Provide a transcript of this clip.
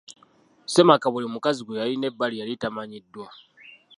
Ssemaka buli mukazi gwe yalina ebbali yali tamanyiddwa.